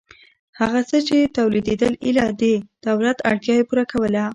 هغه څه چې تولیدېدل ایله د دولت اړتیا یې پوره کوله.